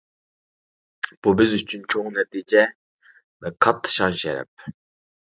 بۇ بىز ئۈچۈن چوڭ نەتىجە ۋە كاتتا شان-شەرەپ.